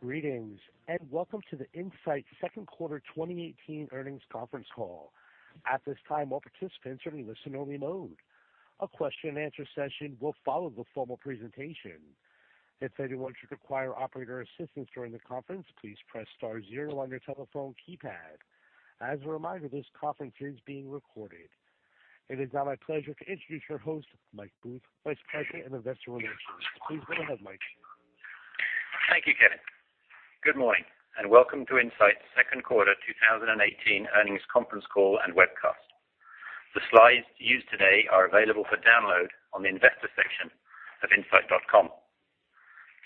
Greetings, welcome to the Incyte second quarter 2018 earnings conference call. At this time, all participants are in listen-only mode. A question and answer session will follow the formal presentation. If anyone should require operator assistance during the conference, please press star zero on your telephone keypad. As a reminder, this conference is being recorded. It is now my pleasure to introduce your host, Michael Booth, Vice President of Investor Relations. Please go ahead, Mike. Thank you, Kevin. Good morning, welcome to Incyte's second quarter 2018 earnings conference call and webcast. The slides used today are available for download on the investor section of incyte.com.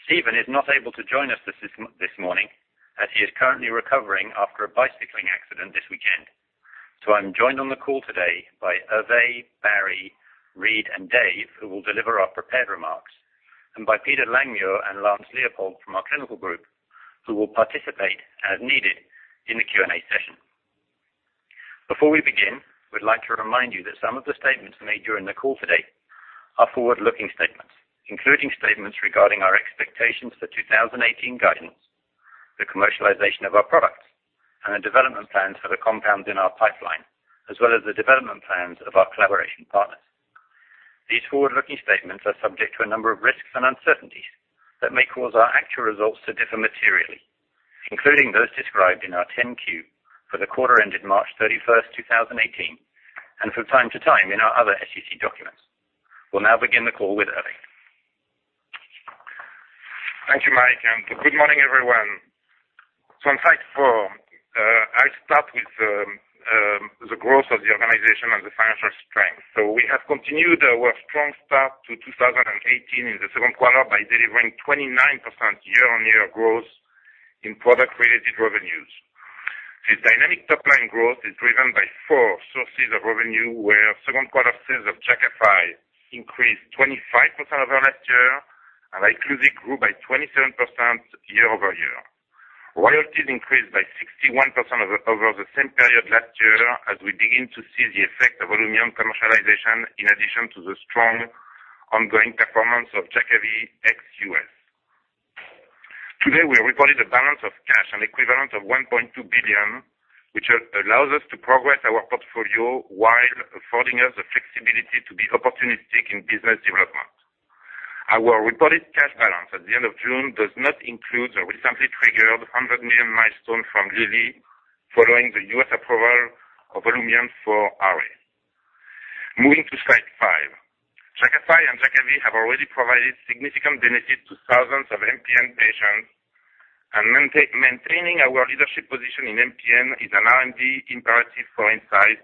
Steven is not able to join us this morning, as he is currently recovering after a bicycling accident this weekend. I'm joined on the call today by Hervé, Barry, Reid, and Dave, who will deliver our prepared remarks, and by Peter Langmuir and Lance Leopold from our clinical group, who will participate as needed in the Q&A session. Before we begin, we'd like to remind you that some of the statements made during the call today are forward-looking statements, including statements regarding our expectations for 2018 guidance, the commercialization of our products, the development plans for the compounds in our pipeline, as well as the development plans of our collaboration partners. These forward-looking statements are subject to a number of risks and uncertainties that may cause our actual results to differ materially, including those described in our 10-Q for the quarter ended March 31st, 2018, and from time to time in our other SEC documents. We'll now begin the call with Hervé. Thank you, Mike, good morning, everyone. On slide four, I start with the growth of the organization and the financial strength. We have continued our strong start to 2018 in the second quarter by delivering 29% year-on-year growth in product-related revenues. This dynamic top-line growth is driven by four sources of revenue, where second quarter sales of Jakafi increased 25% over last year, Iclusig grew by 27% year over year. Royalties increased by 61% over the same period last year as we begin to see the effect of OLUMIANT commercialization in addition to the strong ongoing performance of Jakavi ex US. Today, we reported a balance of cash and equivalent of $1.2 billion, which allows us to progress our portfolio while affording us the flexibility to be opportunistic in business development. Our reported cash balance at the end of June does not include the recently triggered $100 million milestone from Lilly following the U.S. approval of OLUMIANT for RA. Moving to slide five. Jakafi and Jakavi have already provided significant benefit to thousands of MPN patients, maintaining our leadership position in MPN is an R&D imperative for Incyte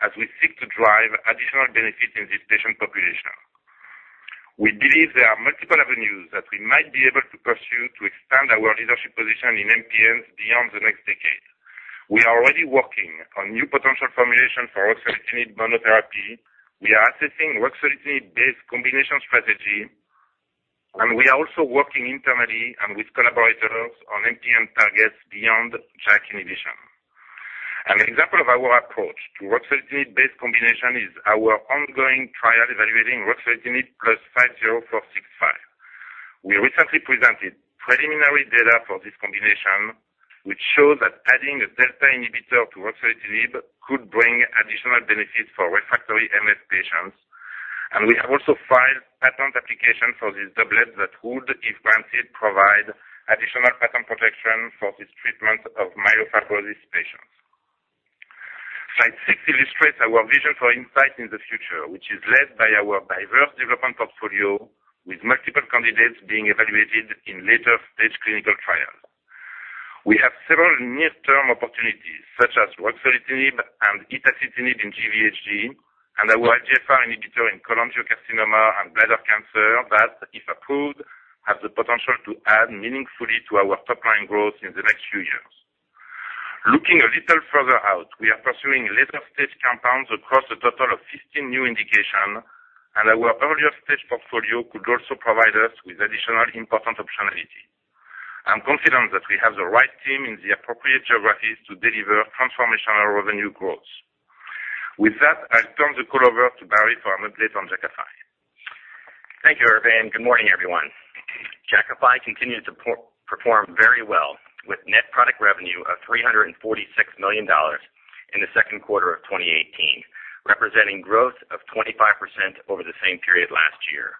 as we seek to drive additional benefit in this patient population. We believe there are multiple avenues that we might be able to pursue to expand our leadership position in MPNs beyond the next decade. We are already working on new potential formulations for ruxolitinib monotherapy. We are assessing ruxolitinib-based combination strategy, we are also working internally and with collaborators on MPN targets beyond JAK inhibition. An example of our approach to ruxolitinib-based combination is our ongoing trial evaluating ruxolitinib plus 50465. We recently presented preliminary data for this combination, which shows that adding a delta inhibitor to ruxolitinib could bring additional benefit for refractory MF patients, we have also filed patent application for this doublet that would, if granted, provide additional patent protection for this treatment of myelofibrosis patients. Slide six illustrates our vision for Incyte in the future, which is led by our diverse development portfolio, with multiple candidates being evaluated in later-stage clinical trials. We have several near-term opportunities, such as ruxolitinib and itacitinib in GVHD and our EGFR inhibitor in cholangiocarcinoma and bladder cancer that, if approved, have the potential to add meaningfully to our top-line growth in the next few years. Looking a little further out, we are pursuing later-stage compounds across a total of 15 new indications, our earlier-stage portfolio could also provide us with additional important optionality. I'm confident that we have the right team in the appropriate geographies to deliver transformational revenue growth. With that, I'll turn the call over to Barry for an update on Jakafi. Thank you, Hervé, good morning, everyone. Jakafi continued to perform very well, with net product revenue of $346 million in the second quarter of 2018, representing growth of 25% over the same period last year.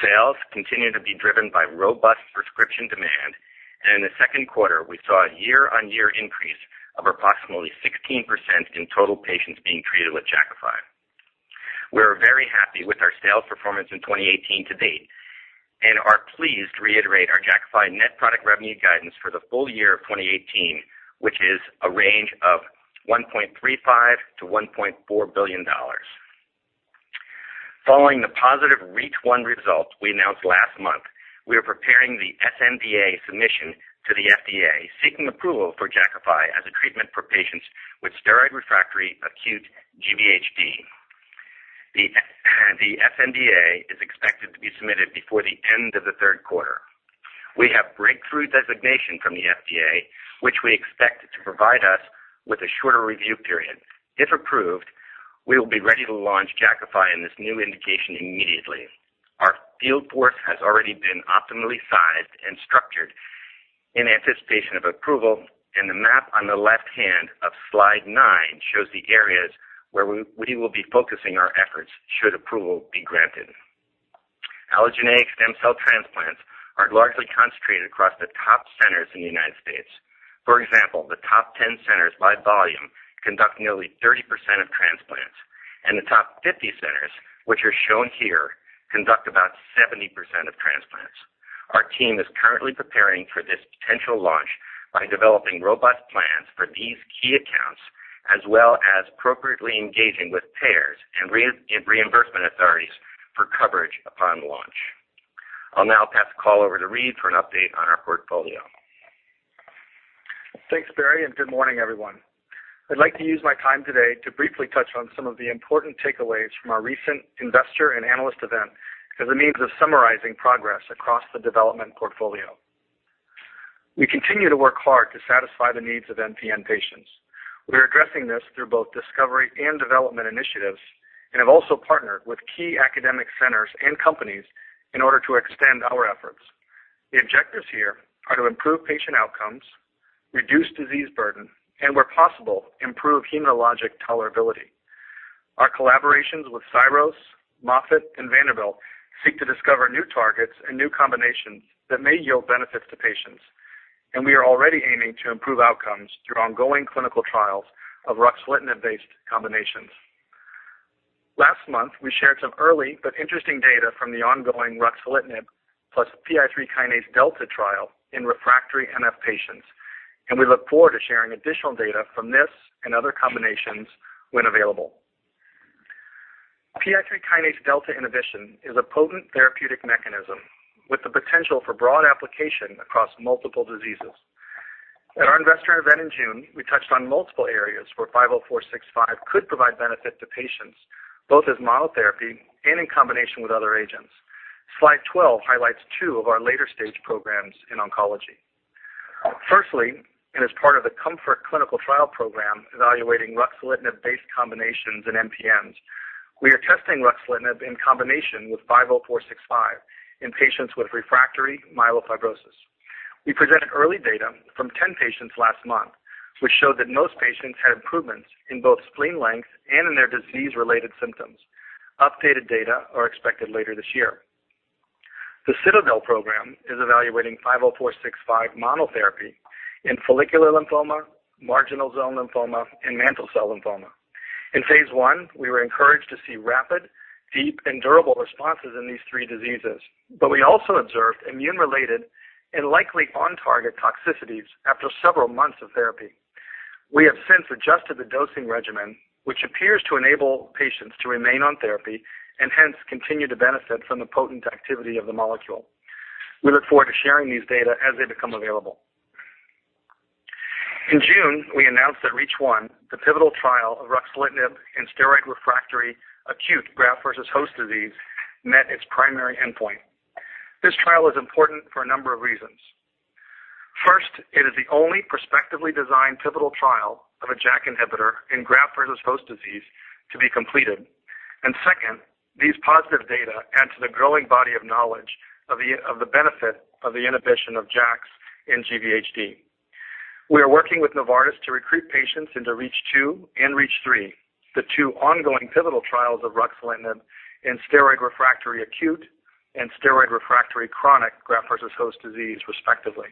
Sales continue to be driven by robust prescription demand. In the second quarter, we saw a year-on-year increase of approximately 16% in total patients being treated with Jakafi. We are very happy with our sales performance in 2018 to date and are pleased to reiterate our Jakafi net product revenue guidance for the full year of 2018, which is a range of $1.35 billion-$1.4 billion. Following the positive REACH1 result we announced last month, we are preparing the sNDA submission to the FDA seeking approval for Jakafi as a treatment for patients with steroid-refractory acute GVHD. The sNDA is expected to be submitted before the end of the third quarter. We have breakthrough designation from the FDA, which we expect to provide us with a shorter review period. If approved, we will be ready to launch Jakafi in this new indication immediately. Our field force has already been optimally sized and structured in anticipation of approval, and the map on the left-hand of slide nine shows the areas where we will be focusing our efforts should approval be granted. Allogeneic stem cell transplants are largely concentrated across the top centers in the U.S. For example, the top 10 centers by volume conduct nearly 30% of transplants, and the top 50 centers, which are shown here, conduct about 70% of transplants. Our team is currently preparing for this potential launch by developing robust plans for these key accounts, as well as appropriately engaging with payers and reimbursement authorities for coverage upon launch. I'll now pass the call over to Reid for an update on our portfolio. Thanks, Barry, and good morning, everyone. I'd like to use my time today to briefly touch on some of the important takeaways from our recent investor and analyst event as a means of summarizing progress across the development portfolio. We continue to work hard to satisfy the needs of MPN patients. We are addressing this through both discovery and development initiatives and have also partnered with key academic centers and companies in order to extend our efforts. The objectives here are to improve patient outcomes, reduce disease burden, and where possible, improve hematologic tolerability. Our collaborations with Syros, Moffitt, and Vanderbilt seek to discover new targets and new combinations that may yield benefits to patients, and we are already aiming to improve outcomes through ongoing clinical trials of ruxolitinib-based combinations. Last month, we shared some early but interesting data from the ongoing ruxolitinib plus PI3K-delta trial in refractory MF patients. We look forward to sharing additional data from this and other combinations when available. PI3K-delta inhibition is a potent therapeutic mechanism with the potential for broad application across multiple diseases. At our investor event in June, we touched on multiple areas where 50465 could provide benefit to patients, both as monotherapy and in combination with other agents. Slide 12 highlights two of our later-stage programs in oncology. Firstly, as part of the COMFORT clinical trial program evaluating ruxolitinib-based combinations in MPNs, we are testing ruxolitinib in combination with 50465 in patients with refractory myelofibrosis. We presented early data from 10 patients last month, which showed that most patients had improvements in both spleen length and in their disease-related symptoms. Updated data are expected later this year. The CITADEL program is evaluating 50465 monotherapy in follicular lymphoma, marginal zone lymphoma, and mantle cell lymphoma. In phase I, we were encouraged to see rapid, deep, and durable responses in these three diseases, but we also observed immune-related and likely on-target toxicities after several months of therapy. We have since adjusted the dosing regimen, which appears to enable patients to remain on therapy and hence continue to benefit from the potent activity of the molecule. We look forward to sharing these data as they become available. In June, we announced that REACH1, the pivotal trial of ruxolitinib in steroid-refractory acute graft-versus-host disease, met its primary endpoint. This trial is important for a number of reasons. It is the only prospectively designed pivotal trial of a JAK inhibitor in graft-versus-host disease to be completed. Second, these positive data add to the growing body of knowledge of the benefit of the inhibition of JAKs in GVHD. We are working with Novartis to recruit patients into REACH2 and REACH3, the two ongoing pivotal trials of ruxolitinib in steroid-refractory acute and steroid-refractory chronic graft-versus-host disease, respectively.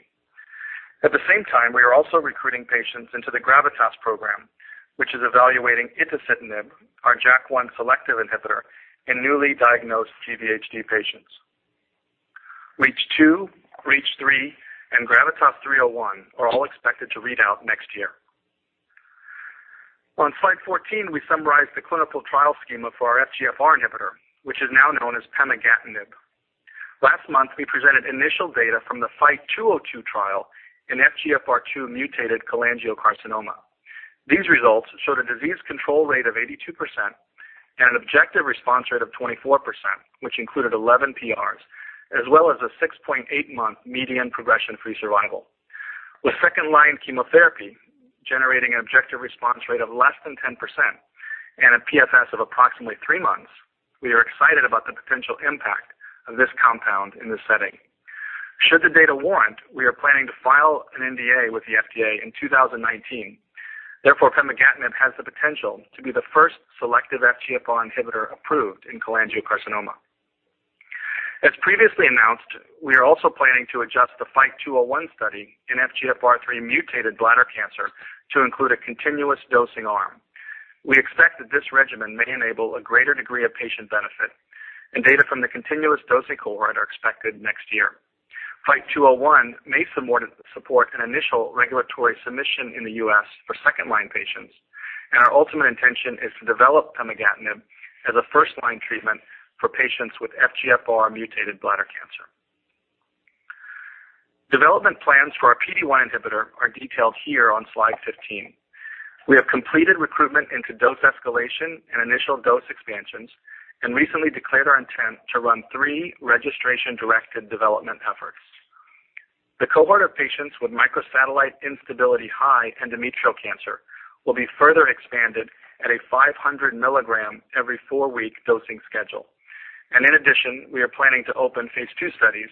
At the same time, we are also recruiting patients into the GRAVITAS program, which is evaluating itacitinib, our JAK1 selective inhibitor, in newly diagnosed GVHD patients. REACH2, REACH3, and GRAVITAS-301 are all expected to read out next year. On slide 14, we summarize the clinical trial schema for our FGFR inhibitor, which is now known as pemigatinib. Last month, we presented initial data from the FIGHT-202 trial in FGFR2 mutated cholangiocarcinoma. These results showed a disease control rate of 82% and an objective response rate of 24%, which included 11 PRs, as well as a 6.8-month median progression-free survival. With second-line chemotherapy generating an objective response rate of less than 10% and a PFS of approximately three months, we are excited about the potential impact of this compound in this setting. Should the data warrant, we are planning to file an NDA with the FDA in 2019. Therefore, pemigatinib has the potential to be the first selective FGFR inhibitor approved in cholangiocarcinoma. As previously announced, we are also planning to adjust the FIGHT-201 study in FGFR3 mutated bladder cancer to include a continuous dosing arm. We expect that this regimen may enable a greater degree of patient benefit, and data from the continuous dosing cohort are expected next year. FIGHT-201 may support an initial regulatory submission in the U.S. for second-line patients. Our ultimate intention is to develop pemigatinib as a first-line treatment for patients with FGFR mutated bladder cancer. Development plans for our PD-1 inhibitor are detailed here on slide 15. We have completed recruitment into dose escalation and initial dose expansions and recently declared our intent to run three registration-directed development efforts. The cohort of patients with microsatellite instability-high endometrial cancer will be further expanded at a 500 milligram every four-week dosing schedule. In addition, we are planning to open phase II studies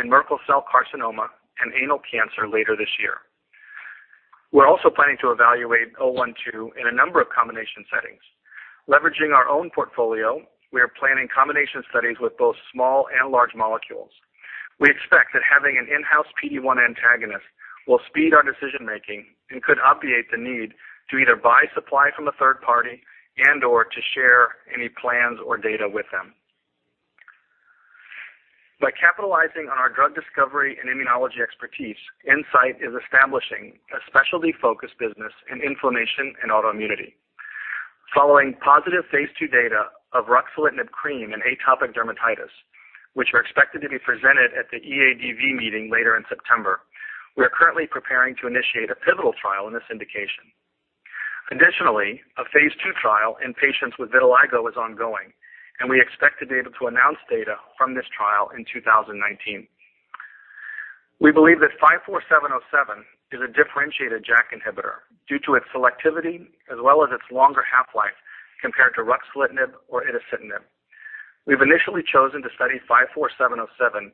in Merkel cell carcinoma and anal cancer later this year. We are also planning to evaluate 012 in a number of combination settings. Leveraging our own portfolio, we are planning combination studies with both small and large molecules. We expect that having an in-house PD-1 antagonist will speed our decision-making and could obviate the need to either buy supply from a third party and/or to share any plans or data with them. By capitalizing on our drug discovery and immunology expertise, Incyte is establishing a specialty-focused business in inflammation and autoimmunity. Following positive phase II data of ruxolitinib cream in atopic dermatitis, which are expected to be presented at the EADV meeting later in September, we are currently preparing to initiate a pivotal trial in this indication. Additionally, a phase II trial in patients with vitiligo is ongoing, and we expect to be able to announce data from this trial in 2019. We believe that 54707 is a differentiated JAK inhibitor due to its selectivity as well as its longer half-life compared to ruxolitinib or itacitinib. We've initially chosen to study 54707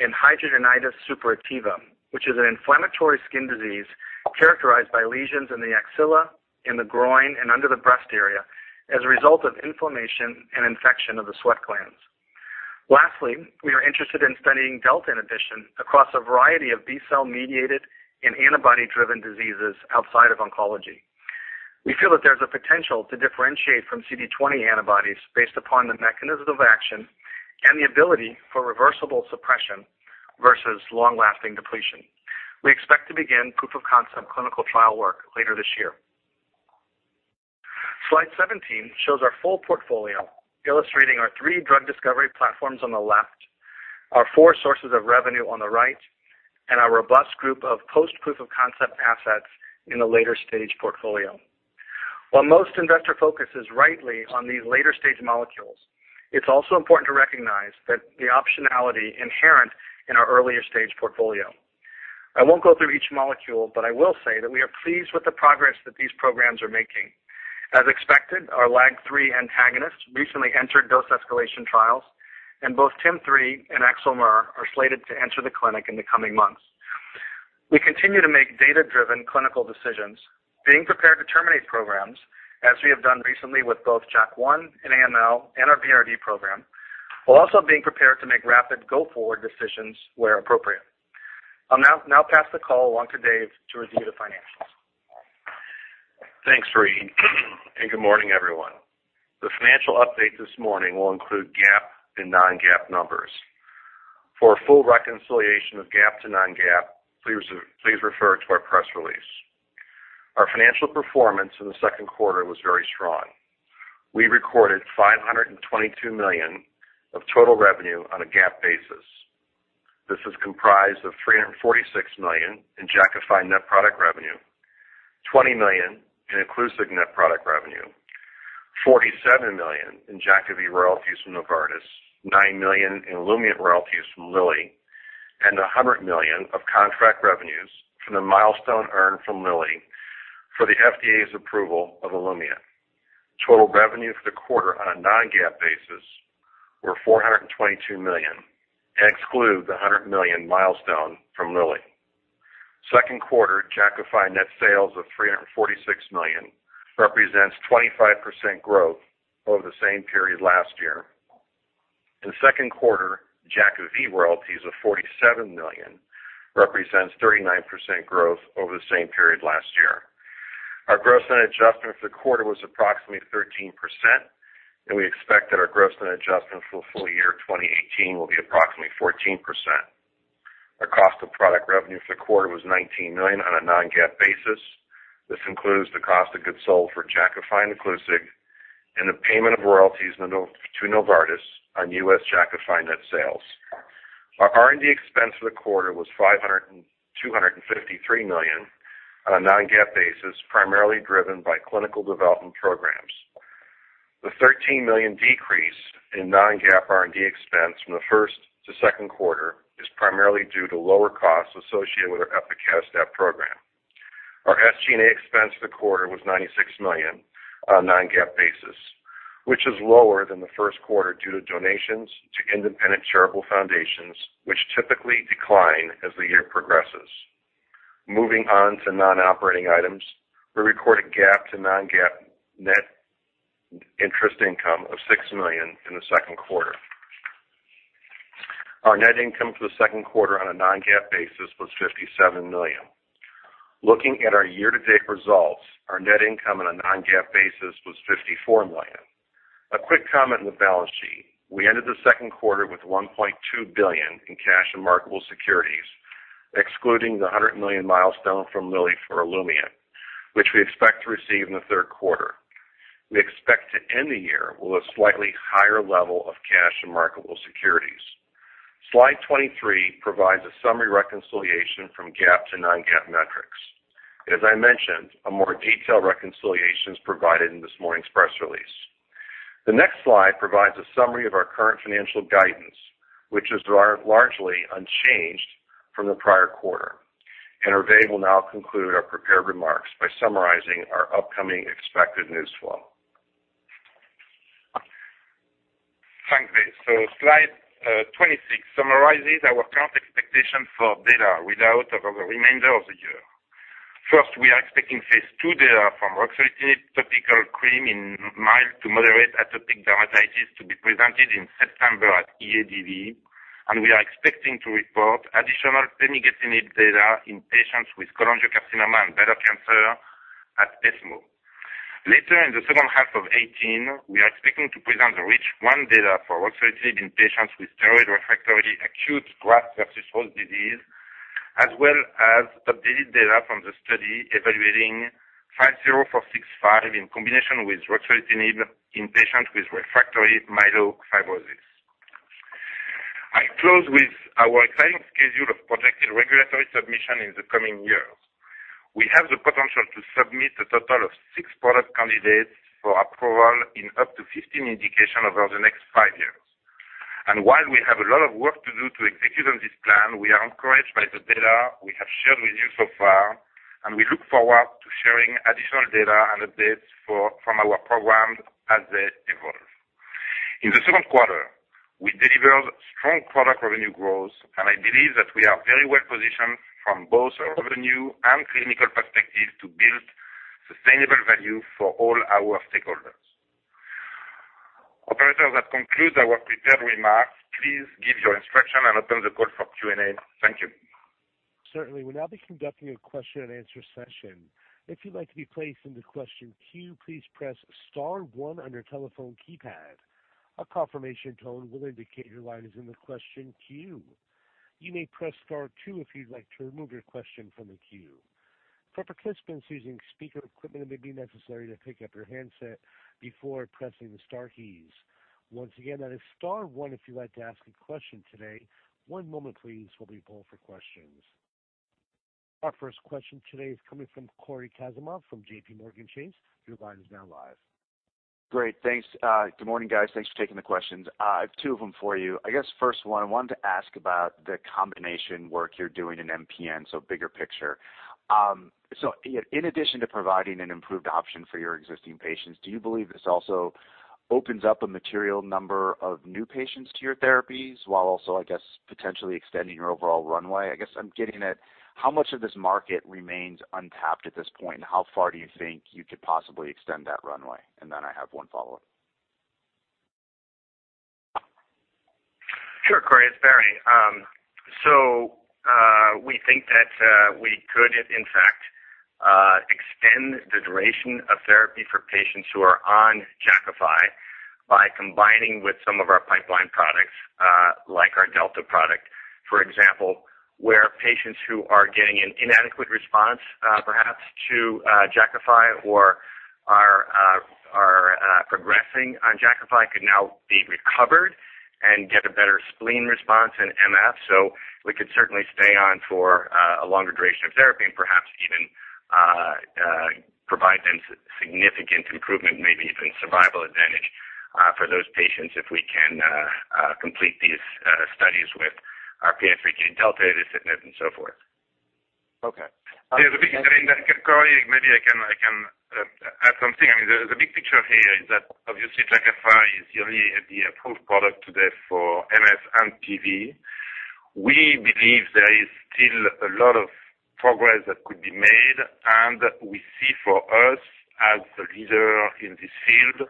in hidradenitis suppurativa, which is an inflammatory skin disease characterized by lesions in the axilla, in the groin, and under the breast area as a result of inflammation and infection of the sweat glands. Lastly, we are interested in studying PI3K-delta inhibition across a variety of B-cell mediated and antibody-driven diseases outside of oncology. We feel that there's a potential to differentiate from CD20 antibodies based upon the mechanism of action and the ability for reversible suppression versus long-lasting depletion. We expect to begin proof of concept clinical trial work later this year. Slide 17 shows our full portfolio, illustrating our three drug discovery platforms on the left, our four sources of revenue on the right, and our robust group of post-proof of concept assets in the later stage portfolio. While most investor focus is rightly on these later-stage molecules, it's also important to recognize that the optionality inherent in our earlier stage portfolio. I won't go through each molecule, but I will say that we are pleased with the progress that these programs are making. As expected, our LAG-3 antagonist recently entered dose escalation trials, and both TIM-3 and Axl/Mer are slated to enter the clinic in the coming months. We continue to make data-driven clinical decisions, being prepared to terminate programs, as we have done recently with both JAK1 and AML and our BRD program, while also being prepared to make rapid go-forward decisions where appropriate. I'll now pass the call along to Dave to review the financials. Thanks, Reid, and good morning, everyone. The financial update this morning will include GAAP and non-GAAP numbers. For a full reconciliation of GAAP to non-GAAP, please refer to our press release. Our financial performance in the second quarter was very strong. We recorded $522 million of total revenue on a GAAP basis. This is comprised of $346 million in Jakafi net product revenue, $20 million in Iclusig net product revenue, $47 million in Jakavi royalties from Novartis, $9 million in OLUMIANT royalties from Lilly, and $100 million of contract revenues from the milestone earned from Lilly for the FDA's approval of OLUMIANT. Total revenue for the quarter on a non-GAAP basis were $422 million and exclude the $100 million milestone from Lilly. Second quarter Jakafi net sales of $346 million represents 25% growth over the same period last year. In second quarter, Jakavi royalties of $47 million represents 39% growth over the same period last year. Our gross net adjustment for the quarter was approximately 13%, and we expect that our gross net adjustment for full year 2018 will be approximately 14%. Our cost of product revenue for the quarter was $19 million on a non-GAAP basis. This includes the cost of goods sold for Jakafi and Iclusig and the payment of royalties to Novartis on U.S. Jakafi net sales. Our R&D expense for the quarter was $553 million on a non-GAAP basis, primarily driven by clinical development programs. The $13 million decrease in non-GAAP R&D expense from the first to second quarter is primarily due to lower costs associated with our epacadostat program. Our SG&A expense for the quarter was $96 million on a non-GAAP basis, which is lower than the first quarter due to donations to independent charitable foundations, which typically decline as the year progresses. Moving on to non-operating items, we recorded GAAP to non-GAAP net interest income of $6 million in the second quarter. Our net income for the second quarter on a non-GAAP basis was $57 million. Looking at our year-to-date results, our net income on a non-GAAP basis was $54 million. A quick comment on the balance sheet. We ended the second quarter with $1.2 billion in cash and marketable securities, excluding the $100 million milestone from Lilly for OLUMIANT, which we expect to receive in the third quarter. We expect to end the year with a slightly higher level of cash and marketable securities. Slide 23 provides a summary reconciliation from GAAP to non-GAAP metrics. As I mentioned, a more detailed reconciliation is provided in this morning's press release. The next slide provides a summary of our current financial guidance, which is largely unchanged from the prior quarter. Hervé will now conclude our prepared remarks by summarizing our upcoming expected news flow. Thanks, Dave. Slide 26 summarizes our current expectation for data read out over the remainder of the year. First, we are expecting phase II data from ruxolitinib topical cream in mild to moderate atopic dermatitis to be presented in September at EADV, and we are expecting to report additional pemigatinib data in patients with cholangiocarcinoma and bladder cancer at ESMO. Later in the second half of 2018, we are expecting to present the REACH1 data for ruxolitinib in patients with steroid-refractory acute graft-versus-host disease, as well as updated data from the study evaluating INCB050465 in combination with ruxolitinib in patients with refractory myelofibrosis. I close with our exciting schedule of projected regulatory submission in the coming years. We have the potential to submit a total of 6 product candidates for approval in up to 15 indications over the next 5 years. While we have a lot of work to do to execute on this plan, we are encouraged by the data we have shared with you so far, and we look forward to sharing additional data and updates from our programs as they evolve. In the second quarter, we delivered strong product revenue growth, and I believe that we are very well positioned from both a revenue and clinical perspective to build sustainable value for all our stakeholders. Operator, that concludes our prepared remarks. Please give your instruction and open the call for Q&A. Thank you. Certainly. We'll now be conducting a question and answer session. If you'd like to be placed in the question queue, please press star one on your telephone keypad. A confirmation tone will indicate your line is in the question queue. You may press star two if you'd like to remove your question from the queue. For participants using speaker equipment, it may be necessary to pick up your handset before pressing the star keys. Once again, that is star one if you'd like to ask a question today. One moment please, while we poll for questions. Our first question today is coming from Cory Kasimov from JPMorgan Chase. Your line is now live. Great. Thanks. Good morning, guys. Thanks for taking the questions. I have two of them for you. I guess first one, I wanted to ask about the combination work you're doing in MPN, bigger picture. In addition to providing an improved option for your existing patients, do you believe this also opens up a material number of new patients to your therapies while also, I guess, potentially extending your overall runway? I guess I'm getting at how much of this market remains untapped at this point? How far do you think you could possibly extend that runway? Then I have one follow-up. Sure, Cory. It's Barry. We think that we could, in fact, extend the duration of therapy for patients who are on Jakafi by combining with some of our pipeline products, like our Delta product, for example, where patients who are getting an inadequate response perhaps to Jakafi or are progressing on Jakafi could now be recovered and get a better spleen response in MF. We could certainly stay on for a longer duration of therapy and perhaps even provide them significant improvement, maybe even survival advantage for those patients if we can complete these studies with our [Parsaclisib INCB050465] and so forth. Okay. Cory, maybe I can add something. The big picture here is that obviously Jakafi is the only FDA-approved product today for MF and PV. We believe there is still a lot of progress that could be made, and we see for us, as a leader in this field,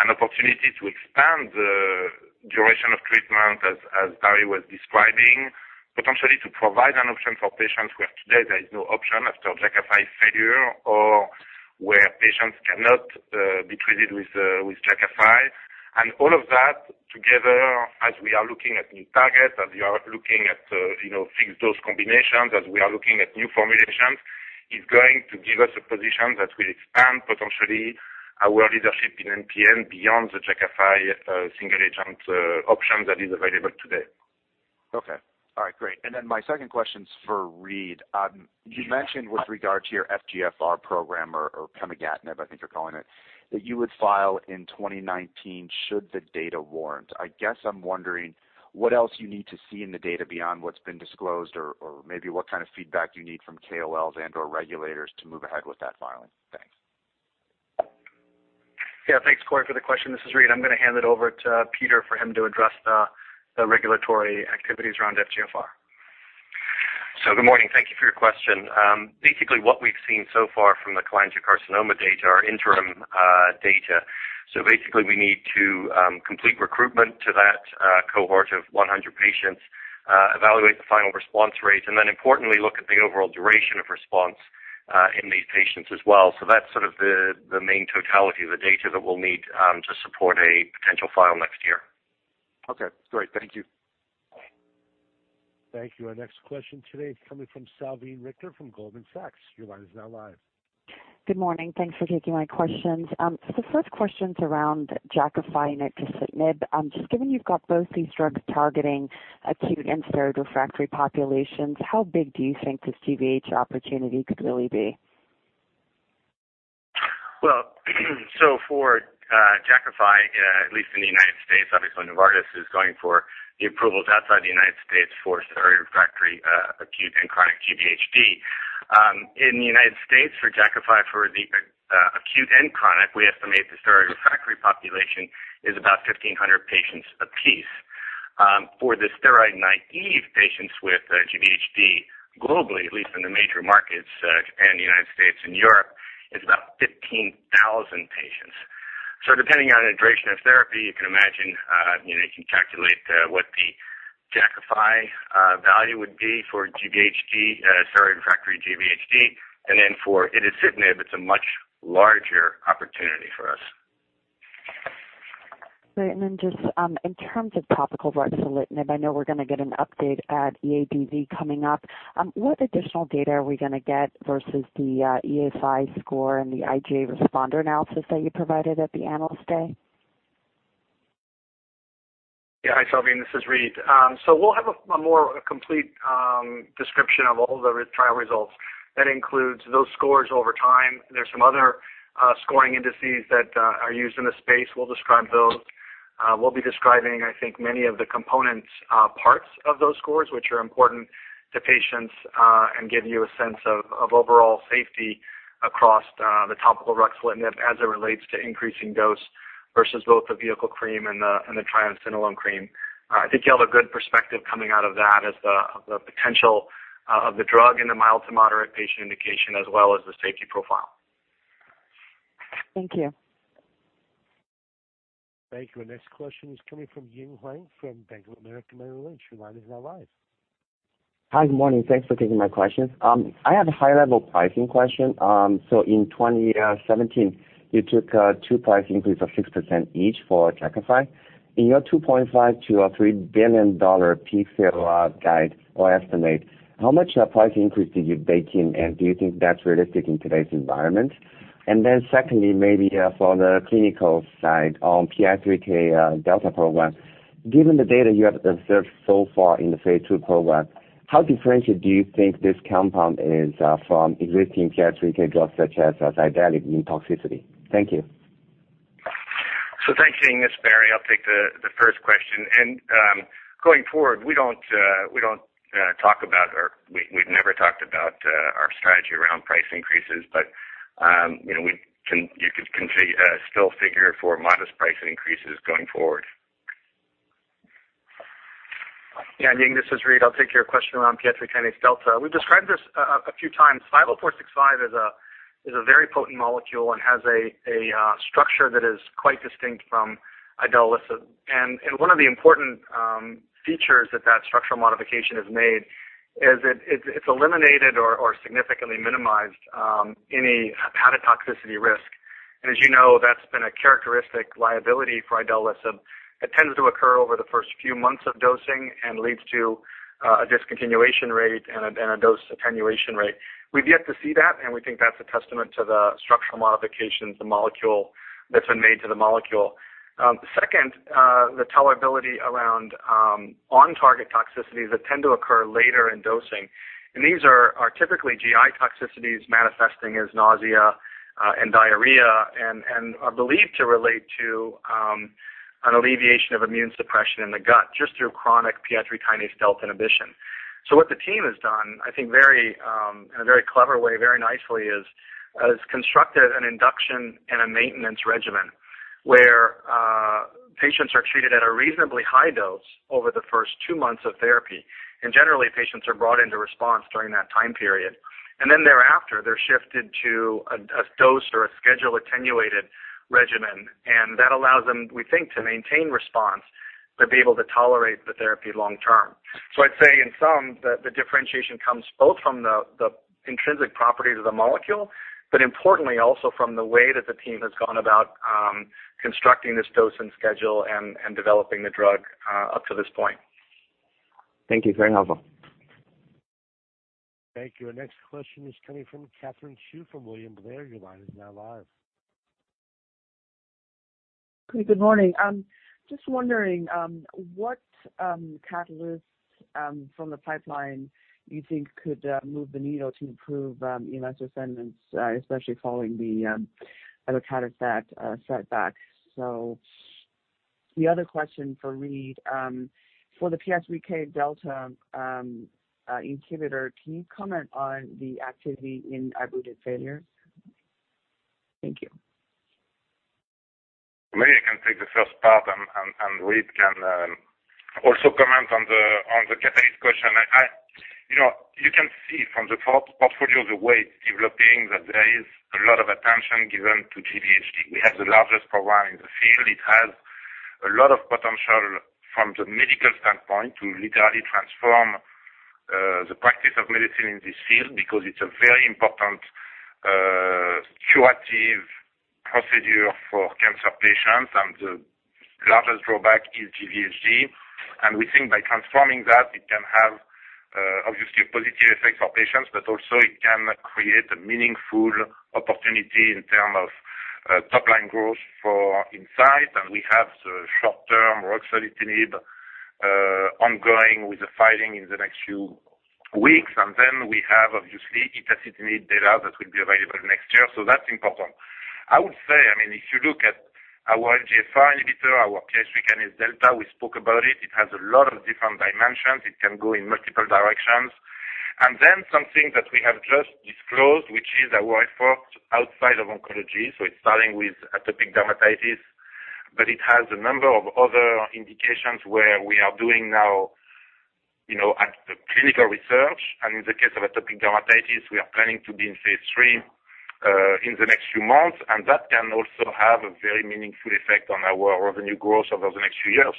an opportunity to expand the duration of treatment as Barry was describing, potentially to provide an option for patients where today there is no option after Jakafi failure or where patients cannot be treated with Jakafi. All of that together as we are looking at new targets, as we are looking at fixed dose combinations, as we are looking at new formulations, is going to give us a position that will expand potentially our leadership in MPN beyond the Jakafi single agent option that is available today. Okay. All right, great. My second question is for Reid. You mentioned with regard to your FGFR program or pemigatinib, I think you're calling it, that you would file in 2019 should the data warrant. I guess I'm wondering what else you need to see in the data beyond what's been disclosed or maybe what kind of feedback you need from KOLs and/or regulators to move ahead with that filing. Thanks. Thanks, Cory, for the question. This is Reid. I'm going to hand it over to Peter for him to address the regulatory activities around FGFR. Good morning. Thank you for your question. Basically what we've seen so far from the cholangiocarcinoma data are interim data. Basically we need to complete recruitment to that cohort of 100 patients, evaluate the final response rates, and then importantly, look at the overall duration of response in these patients as well. That's sort of the main totality of the data that we'll need to support a potential file next year. Okay, great. Thank you. Thank you. Our next question today is coming from Salveen Richter from Goldman Sachs. Your line is now live. Good morning. Thanks for taking my questions. The first question's around Jakafi and itacitinib. Just given you've got both these drugs targeting acute and steroid-refractory populations, how big do you think this GVHD opportunity could really be? For Jakafi, at least in the U.S., obviously Novartis is going for the approvals outside the U.S. for steroid-refractory acute and chronic GVHD. In the U.S. for Jakafi for the acute and chronic, we estimate the steroid-refractory population is about 1,500 patients apiece. For the steroid-naive patients with GVHD globally, at least in the major markets, Japan, the U.S., and Europe, it's about 15,000 patients. Depending on duration of therapy, you can imagine, you can calculate what the Jakafi value would be for steroid-refractory GVHD, and then for itacitinib, it's a much larger opportunity for us. Just in terms of topical ruxolitinib, I know we're going to get an update at EADV coming up. What additional data are we going to get versus the EASI score and the IGA responder analysis that you provided at the Analyst Day? Hi, Salveen. This is Reid. We'll have a more complete description of all the trial results. That includes those scores over time. There's some other scoring indices that are used in the space. We'll describe those. We'll be describing, I think, many of the components, parts of those scores, which are important to patients and give you a sense of overall safety across the topical ruxolitinib as it relates to increasing dose versus both the vehicle cream and the triamcinolone cream. I think you'll have a good perspective coming out of that as the potential of the drug in the mild to moderate patient indication as well as the safety profile. Thank you. Thank you. Our next question is coming from Ying Huang from Bank of America Merrill Lynch. Your line is now live. Hi. Good morning. Thanks for taking my questions. I have a high-level pricing question. In 2017, you took two price increase of 6% each for Jakafi. In your $2.5 billion-$3 billion peak sales guide or estimate, how much price increase are you baking, and do you think that's realistic in today's environment? Secondly, maybe for the clinical side on PI3K-delta program, given the data you have observed so far in the phase II program, how differentiated do you think this compound is from existing PI3K drugs such as idelalisib in toxicity? Thank you. Thanks, Ying. It's Barry. I'll take the first question. Going forward, we've never talked about our strategy around price increases. You could still figure for modest price increases going forward. Ying, this is Reid. I'll take your question around PI3K-delta. We've described this a few times. 50465 is a very potent molecule and has a structure that is quite distinct from idelalisib. One of the important features that that structural modification has made is it's eliminated or significantly minimized any hepatotoxicity risk. As you know, that's been a characteristic liability for idelalisib that tends to occur over the first few months of dosing and leads to a discontinuation rate and a dose attenuation rate. We've yet to see that, and we think that's a testament to the structural modifications that's been made to the molecule. Second, the tolerability around on-target toxicities that tend to occur later in dosing. These are typically GI toxicities manifesting as nausea and diarrhea and are believed to relate to an alleviation of immune suppression in the gut just through chronic PI3K-delta inhibition. What the team has done, I think in a very clever way, very nicely, is constructed an induction and a maintenance regimen where patients are treated at a reasonably high dose over the first two months of therapy. Generally, patients are brought into response during that time period. Thereafter, they're shifted to a dosed or a schedule-attenuated regimen, and that allows them, we think, to maintain response, but be able to tolerate the therapy long term. I'd say in sum that the differentiation comes both from the intrinsic properties of the molecule, but importantly also from the way that the team has gone about constructing this dosing schedule and developing the drug up to this point. Thank you. Very helpful. Thank you. Our next question is coming from Katherine Xu from William Blair. Your line is now live. Good morning. Just wondering what catalyst from the pipeline you think could move the needle to improve investor sentiments, especially following the idelalisib setback. The other question for Reid, for the PI3K-delta inhibitor, can you comment on the activity in ibrutinib failures? Thank you. Maybe I can take the first part, and Reid can also comment on the catalyst question. You can see from the portfolio, the way it's developing, that there is a lot of attention given to GVHD. We have the largest program in the field. It has a lot of potential from the medical standpoint to literally transform the practice of medicine in this field because it's a very important curative procedure for cancer patients, and the largest drawback is GVHD. We think by transforming that, it can have obviously a positive effect for patients, but also it can create a meaningful opportunity in terms of Top line growth for Incyte, we have the short-term ruxolitinib ongoing with the filing in the next few weeks. We have, obviously, itacitinib data that will be available next year. That's important. I would say, if you look at our EGFR inhibitor, our PI3K-delta, we spoke about it. It has a lot of different dimensions. It can go in multiple directions. Something that we have just disclosed, which is our effort outside of oncology. It's starting with atopic dermatitis, but it has a number of other indications where we are doing now clinical research, and in the case of atopic dermatitis, we are planning to be in phase III in the next few months, and that can also have a very meaningful effect on our revenue growth over the next few years.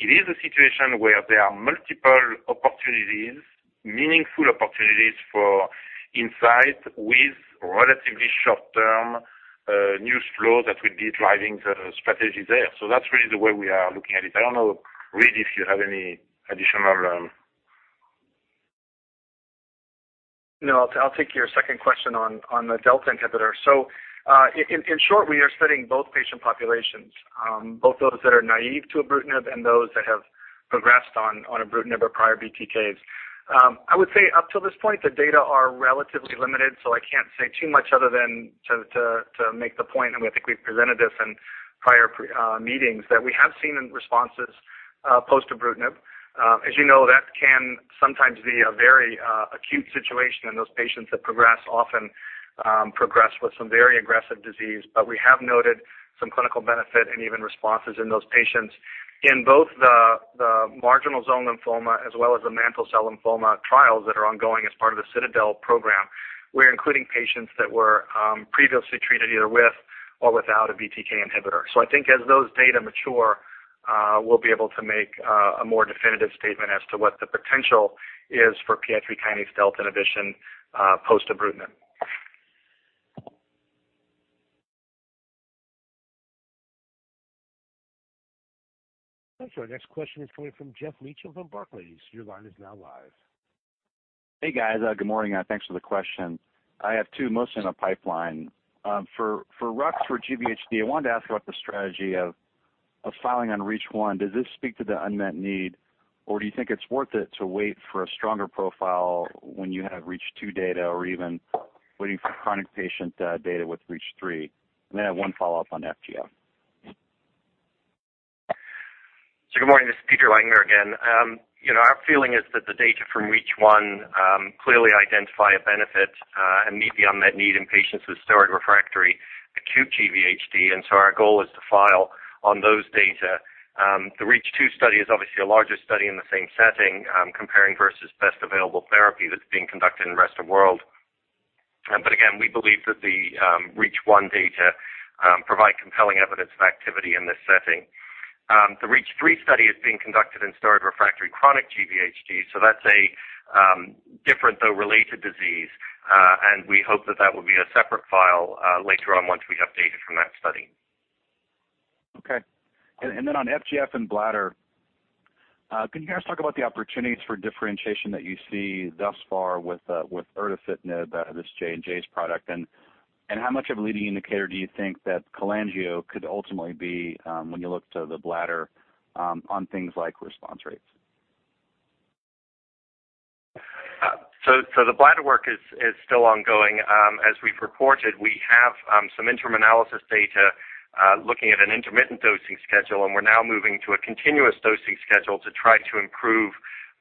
It is a situation where there are multiple opportunities, meaningful opportunities for Incyte with relatively short-term news flow that will be driving the strategy there. That's really the way we are looking at it. I don't know, Reid, if you have any additional I'll take your second question on the delta inhibitor. In short, we are studying both patient populations, both those that are naive to ibrutinib and those that have progressed on ibrutinib or prior BTKs. I would say up till this point, the data are relatively limited, so I can't say too much other than to make the point, and I think we've presented this in prior meetings, that we have seen responses post ibrutinib. As you know, that can sometimes be a very acute situation, and those patients that progress often progress with some very aggressive disease. We have noted some clinical benefit and even responses in those patients. In both the marginal zone lymphoma as well as the mantle cell lymphoma trials that are ongoing as part of the CITADEL program, we're including patients that were previously treated either with or without a BTK inhibitor. I think as those data mature, we'll be able to make a more definitive statement as to what the potential is for PI3 kinase delta inhibition post ibrutinib. Thanks. Our next question is coming from Geoff Meacham from Barclays. Your line is now live. Hey, guys. Good morning, thanks for the question. I have two, mostly on the pipeline. For Rux, for GVHD, I wanted to ask about the strategy of filing on REACH1. Does this speak to the unmet need, or do you think it's worth it to wait for a stronger profile when you have REACH2 data or even waiting for chronic patient data with REACH3? I have one follow-up on FGF. Good morning. This is Peter Langmuir again. Our feeling is that the data from REACH1 clearly identify a benefit and meet the unmet need in patients with steroid-refractory acute GVHD. Our goal is to file on those data. The REACH2 study is obviously a larger study in the same setting, comparing versus best available therapy that's being conducted in rest of world. Again, we believe that the REACH1 data provide compelling evidence of activity in this setting. The REACH3 study is being conducted in steroid refractory chronic GVHD. That's a different, though related, disease, and we hope that that will be a separate file later on once we have data from that study. Okay. On FGF and bladder, can you guys talk about the opportunities for differentiation that you see thus far with erdafitinib, this J&J's product, and how much of a leading indicator do you think that cholangio could ultimately be when you look to the bladder on things like response rates? The bladder work is still ongoing. As we've reported, we have some interim analysis data looking at an intermittent dosing schedule. We're now moving to a continuous dosing schedule to try to improve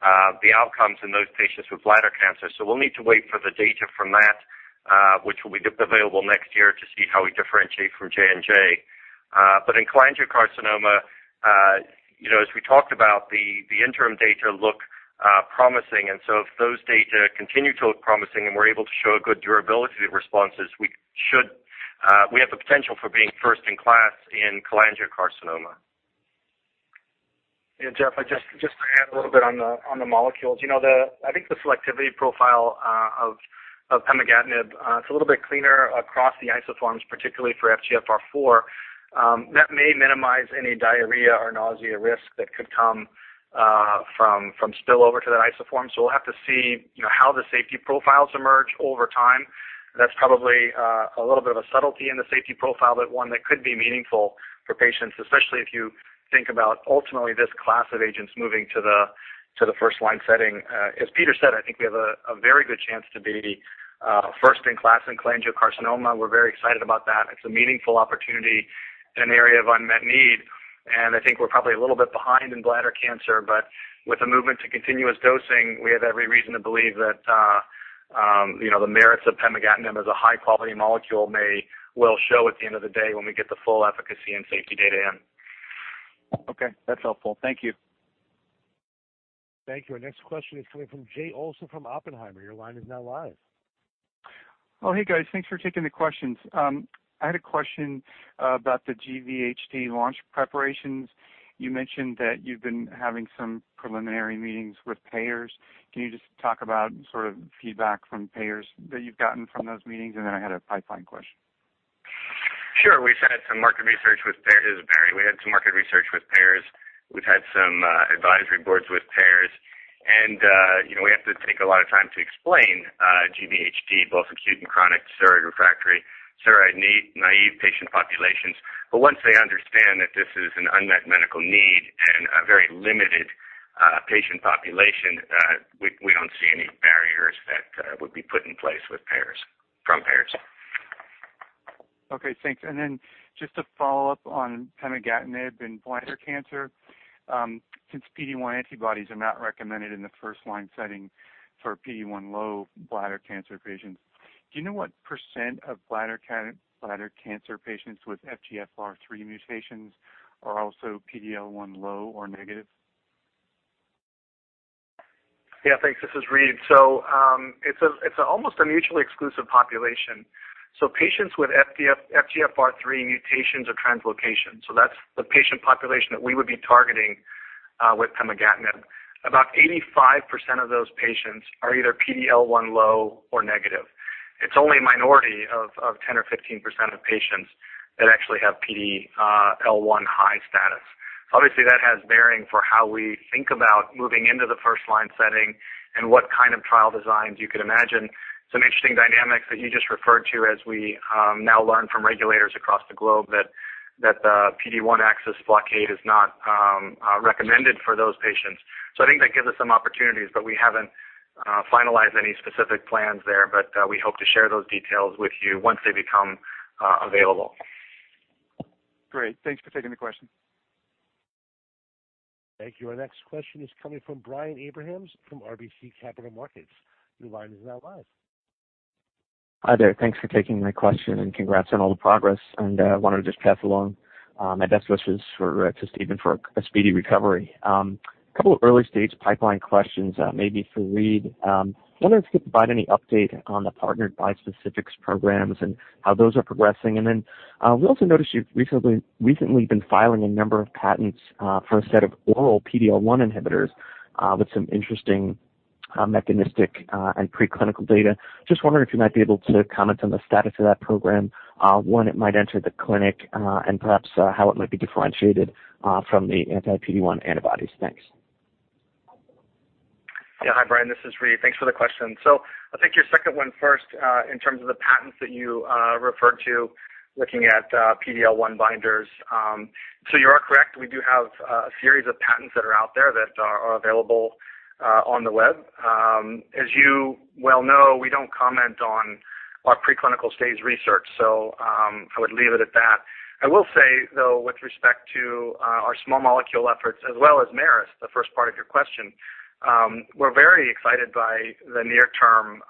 the outcomes in those patients with bladder cancer. We'll need to wait for the data from that, which will be available next year to see how we differentiate from J&J. In cholangiocarcinoma, as we talked about, the interim data look promising. If those data continue to look promising and we're able to show good durability responses, we have the potential for being first in class in cholangiocarcinoma. Geoff, just to add a little bit on the molecules. I think the selectivity profile of pemigatinib, it's a little bit cleaner across the isoforms, particularly for FGFR4. That may minimize any diarrhea or nausea risk that could come from spillover to that isoform. We'll have to see how the safety profiles emerge over time. That's probably a little bit of a subtlety in the safety profile, one that could be meaningful for patients, especially if you think about, ultimately, this class of agents moving to the first-line setting. As Peter said, I think we have a very good chance to be first in class in cholangiocarcinoma. We're very excited about that. It's a meaningful opportunity in an area of unmet need, and I think we're probably a little bit behind in bladder cancer, but with the movement to continuous dosing, we have every reason to believe that the merits of pemigatinib as a high-quality molecule may well show at the end of the day when we get the full efficacy and safety data in. Okay, that's helpful. Thank you. Thank you. Our next question is coming from Jay Olson from Oppenheimer. Your line is now live. Oh, hey guys, thanks for taking the questions. I had a question about the GVHD launch preparations. You mentioned that you've been having some preliminary meetings with payers. Can you just talk about sort of feedback from payers that you've gotten from those meetings? Then I had a pipeline question. Sure. We've had some market research with payers. This is Barry. We had some market research with payers. We've had some advisory boards with payers We have to take a lot of time to explain GVHD, both acute and chronic steroid-refractory, steroid-naive patient populations. Once they understand that this is an unmet medical need and a very limited patient population, we don't see any barriers that would be put in place from payers. Okay, thanks. Just to follow up on pemigatinib and bladder cancer, since PD-1 antibodies are not recommended in the first-line setting for PD-1 low bladder cancer patients, do you know what % of bladder cancer patients with FGFR3 mutations are also PD-L1 low or negative? Yeah. Thanks. This is Reid. It's almost a mutually exclusive population. Patients with FGFR3 mutations or translocations, that's the patient population that we would be targeting with pemigatinib. About 85% of those patients are either PD-L1 low or negative. It's only a minority of 10 or 15% of patients that actually have PD-L1 high status. Obviously that has bearing for how we think about moving into the first-line setting and what kind of trial designs you could imagine. Some interesting dynamics that you just referred to as we now learn from regulators across the globe that the PD-1 axis blockade is not recommended for those patients. I think that gives us some opportunities, we haven't finalized any specific plans there, we hope to share those details with you once they become available. Great. Thanks for taking the question. Thank you. Our next question is coming from Brian Abrahams from RBC Capital Markets. Your line is now live. Hi there. Thanks for taking my question and congrats on all the progress. I want to just pass along my best wishes to Steven for a speedy recovery. A couple of early-stage pipeline questions, maybe for Reid. I wonder if you could provide any update on the partnered bispecifics programs and how those are progressing. Then, we also noticed you've recently been filing a number of patents for a set of oral PD-L1 inhibitors with some interesting mechanistic and preclinical data. Just wondering if you might be able to comment on the status of that program, when it might enter the clinic, and perhaps how it might be differentiated from the anti-PD-1 antibodies. Thanks. Yeah. Hi, Brian. This is Reid. Thanks for the question. I'll take your second one first, in terms of the patents that you referred to looking at PD-L1 binders. You are correct. We do have a series of patents that are out there that are available on the web. As you well know, we don't comment on our preclinical stage research, so I would leave it at that. I will say, though, with respect to our small molecule efforts as well as Merus, the first part of your question, we're very excited by the near-term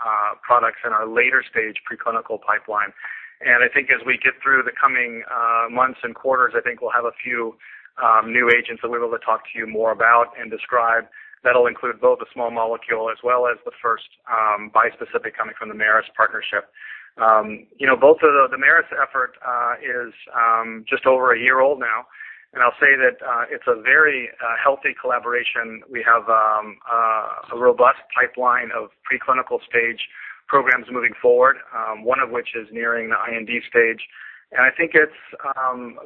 products in our later stage preclinical pipeline. I think as we get through the coming months and quarters, I think we'll have a few new agents that we're able to talk to you more about and describe. That'll include both the small molecule as well as the first bispecific coming from the Merus partnership. The Merus effort is just over a year old now, and I'll say that it's a very healthy collaboration. We have a robust pipeline of preclinical stage programs moving forward, one of which is nearing the IND stage. I think it's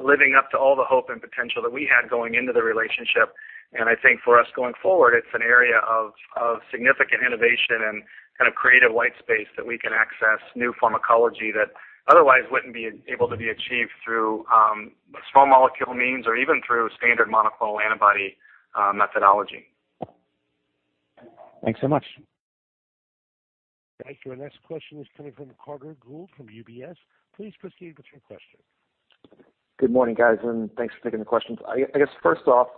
living up to all the hope and potential that we had going into the relationship. I think for us going forward, it's an area of significant innovation and kind of creative white space that we can access new pharmacology that otherwise wouldn't be able to be achieved through small molecule means or even through standard monoclonal antibody methodology. Thanks so much. Thank you. Our next question is coming from Carter Gould from UBS. Please proceed with your question. Good morning, guys, thanks for taking the questions. I guess first off,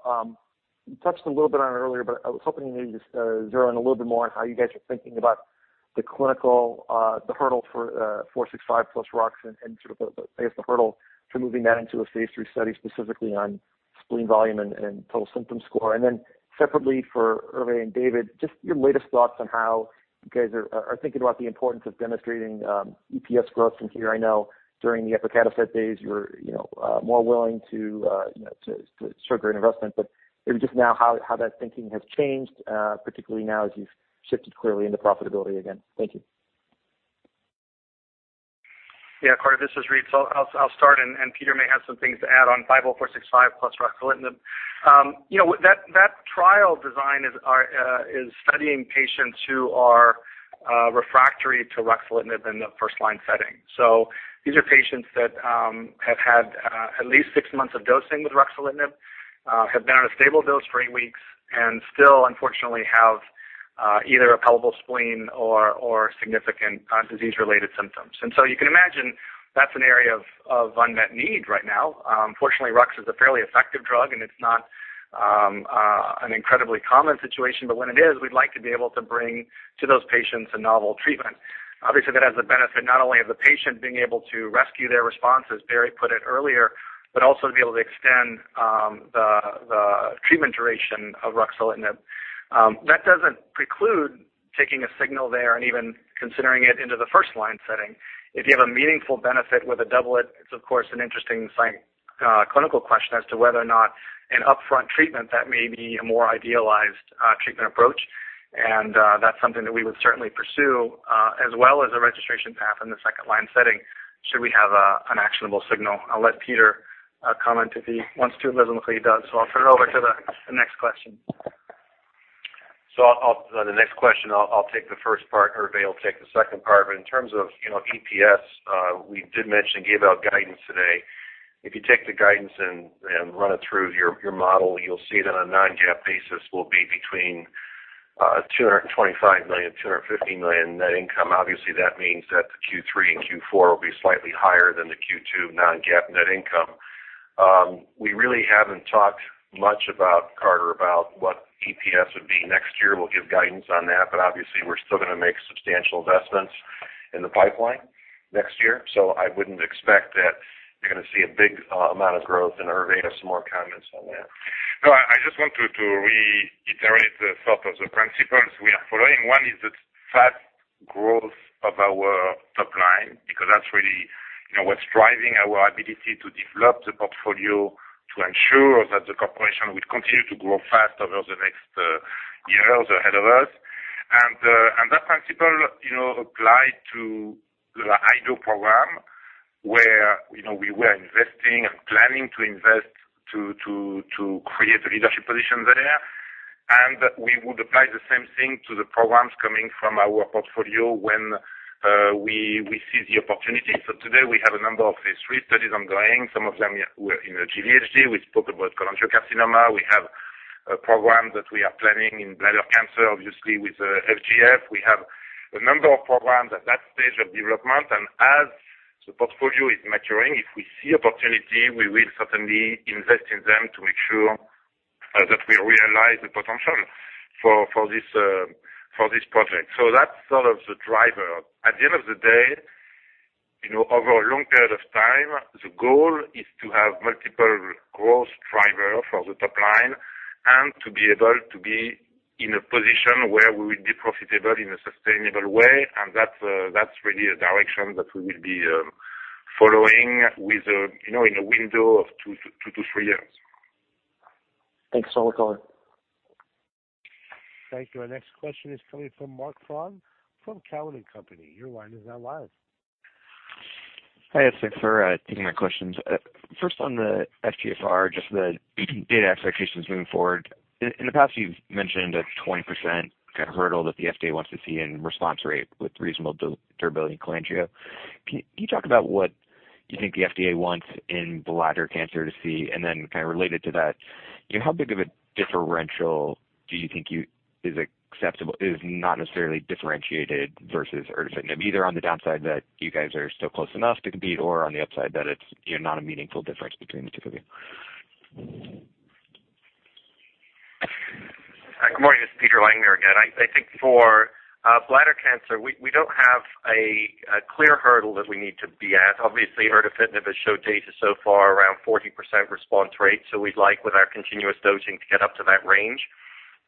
you touched a little bit on it earlier, but I was hoping you could just zero in a little bit more on how you guys are thinking about the clinical, the hurdle for 465 plus rux and sort of, I guess the hurdle to moving that into a phase III study, specifically on spleen volume and total symptom score. Then separately for Hervé and Dave, just your latest thoughts on how you guys are thinking about the importance of demonstrating EPS growth from here. I know during the epacadostat days, you were more willing to sugar investment, but maybe just now how that thinking has changed, particularly now as you've shifted clearly into profitability again. Thank you. Yeah. Carter, this is Reid. I'll start and Peter may have some things to add on 50465 plus ruxolitinib. That trial design is studying patients who are refractory to ruxolitinib in the first-line setting. These are patients that have had at least 6 months of dosing with ruxolitinib, have been on a stable dose for 8 weeks, and still, unfortunately, have either a palpable spleen or significant disease-related symptoms. You can imagine that's an area of unmet need right now. Fortunately, Rux is a fairly effective drug, and it's not an incredibly common situation, but when it is, we'd like to be able to bring to those patients a novel treatment. Obviously, that has the benefit not only of the patient being able to rescue their response, as Barry put it earlier, but also to be able to extend the treatment duration of ruxolitinib. That doesn't preclude taking a signal there and even considering it into the first-line setting. If you have a meaningful benefit with a doublet, it's of course an interesting clinical question as to whether or not an upfront treatment that may be a more idealized treatment approach. That's something that we would certainly pursue, as well as a registration path in the second-line setting. Should we have an actionable signal? I'll let Peter comment if he wants to. It doesn't look like he does, I'll turn it over to the next question. The next question, I'll take the first part, Hervé will take the second part. In terms of EPS, we did mention and gave out guidance today. If you take the guidance and run it through your model, you'll see it on a non-GAAP basis will be between $225 million-$250 million net income. Obviously, that means that the Q3 and Q4 will be slightly higher than the Q2 non-GAAP net income. We really haven't talked much, Carter, about what EPS would be next year. We'll give guidance on that, obviously, we're still going to make substantial investments in the pipeline next year. I wouldn't expect that you're going to see a big amount of growth, and Hervé has some more comments on that. I just want to reiterate the thought of the principles we are following. One is the fast growth of our top line, because that's really what's driving our ability to develop the portfolio to ensure that the corporation will continue to grow fast over the next years ahead of us. That principle applied to the IDO program, where we were investing and planning to invest to create a leadership position there. We would apply the same thing to the programs coming from our portfolio when we see the opportunity. Today, we have a number of phase III studies ongoing. Some of them were in a GVHD. We spoke about cholangiocarcinoma. We have programs that we are planning in bladder cancer, obviously, with FGF. We have a number of programs at that stage of development, and as the portfolio is maturing, if we see opportunity, we will certainly invest in them to make sure that we realize the potential for this project. That's sort of the driver. At the end of the day, over a long period of time, the goal is to have multiple growth drivers for the top line and to be able to be in a position where we will be profitable in a sustainable way, and that's really a direction that we will be following in a window of two to three years. Thanks. Over for Carter. Thank you. Our next question is coming from Marc Frahm from Cowen and Company. Your line is now live. Hi, thanks for taking my questions. On the FGFR, just the data expectations moving forward. In the past, you've mentioned a 20% kind of hurdle that the FDA wants to see in response rate with reasonable durability in cholangio. Can you talk about what you think the FDA wants in bladder cancer to see? Kind of related to that, how big of a differential do you think is not necessarily differentiated versus erdafitinib, either on the downside that you guys are still close enough to compete or on the upside that it's not a meaningful difference between the two of you? Good morning. This is Peter Langmuir again. I think for bladder cancer, we don't have a clear hurdle that we need to be at. Obviously, erdafitinib has showed data so far around 40% response rate. We'd like with our continuous dosing to get up to that range.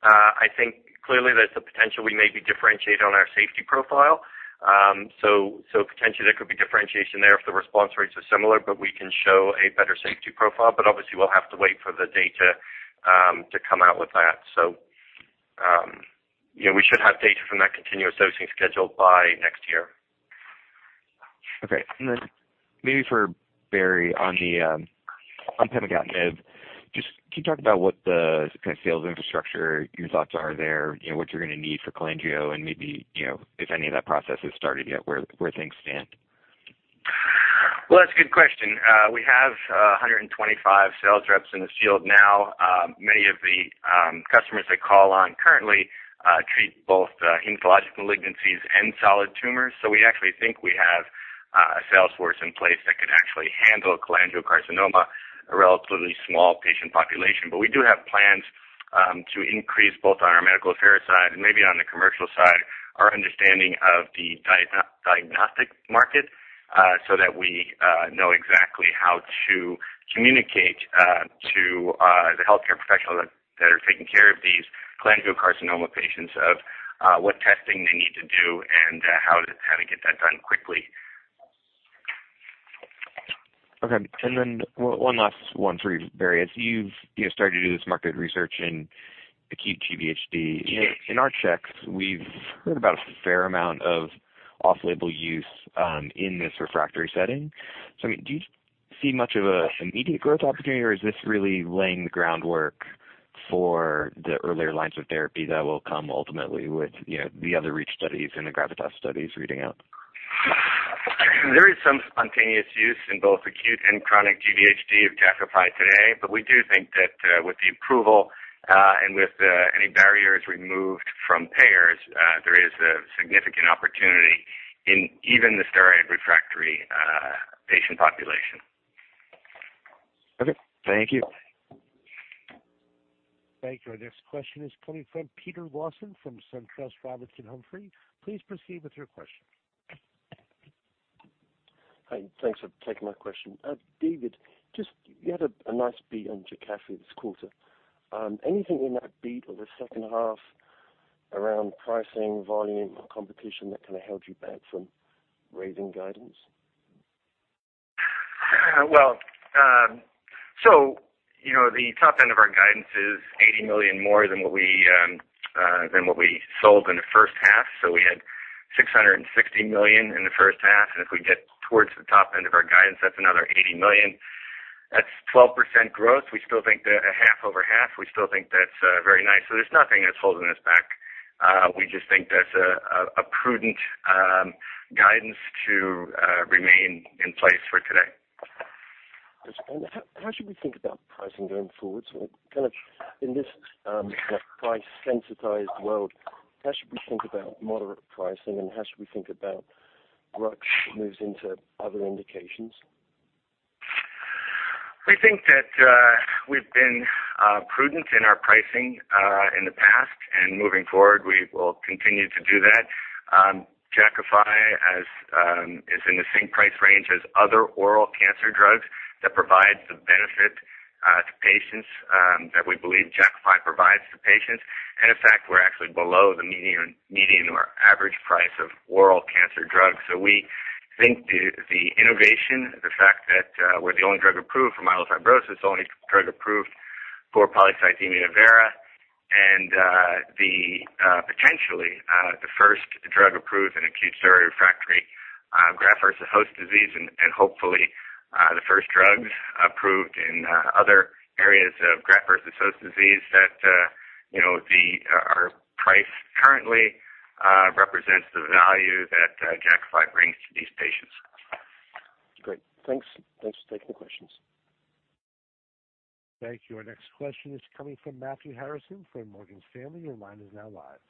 I think clearly there's the potential we may be differentiated on our safety profile. Potentially there could be differentiation there if the response rates are similar, but we can show a better safety profile. Obviously, we'll have to wait for the data to come out with that. We should have data from that continuous dosing scheduled by next year. Okay. Maybe for Barry on pemigatinib, just can you talk about what the kind of sales infrastructure, your thoughts are there, what you're going to need for cholangio and maybe, if any of that process has started yet, where things stand? Well, that's a good question. We have 125 sales reps in the field now. Many of the customers they call on currently treat both hematologic malignancies and solid tumors. We actually think we have a sales force in place that can actually handle cholangiocarcinoma, a relatively small patient population. We do have plans to increase both on our medical affairs side and maybe on the commercial side, our understanding of the diagnostic market, so that we know exactly how to communicate to the healthcare professionals that are taking care of these cholangiocarcinoma patients of what testing they need to do and how to get that done quickly. Okay. One last one for you, Barry. As you've started to do this market research in acute GVHD, in our checks, we've heard about a fair amount of off-label use in this refractory setting. Do you see much of an immediate growth opportunity, or is this really laying the groundwork for the earlier lines of therapy that will come ultimately with the other REACH studies and the GRAVITAS studies reading out? There is some spontaneous use in both acute and chronic GVHD of Jakafi today. We do think that with the approval and with any barriers removed from payers, there is a significant opportunity in even the steroid-refractory patient population. Okay. Thank you. Thank you. Our next question is coming from Peter Lawson from SunTrust Robinson Humphrey. Please proceed with your question. Hi, thanks for taking my question. Dave, just you had a nice beat on Jakafi this quarter. Anything in that beat or the second half around pricing, volume, or competition that kind of held you back from raising guidance? The top end of our guidance is $80 million more than what we sold in the first half. We had $660 million in the first half, and if we get towards the top end of our guidance, that's another $80 million. That's 12% growth. We still think that a half over half, we still think that's very nice. There's nothing that's holding us back. We just think that's a prudent guidance to remain in place for today. How should we think about pricing going forward? Kind of in this price-sensitized world, how should we think about moderate pricing, and how should we think about drugs moves into other indications? We think that we've been prudent in our pricing in the past, moving forward, we will continue to do that. Jakafi is in the same price range as other oral cancer drugs that provides the benefit to patients that we believe Jakafi provides to patients. In fact, we're actually below the median or average price of oral cancer drugs. We think the innovation, the fact that we're the only drug approved for myelofibrosis, the only drug approved for polycythemia vera, and potentially, the first drug approved in acute steroid-refractory graft-versus-host disease, and hopefully, the first drug approved in other areas of graft-versus-host disease that our price currently represents the value that Jakafi brings to these patients. Great. Thanks for taking the questions. Thank you. Our next question is coming from Matthew Harrison from Morgan Stanley. Your line is now live.